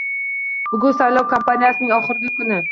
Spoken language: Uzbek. Bugun saylov kampaniyasining oxirgi kuni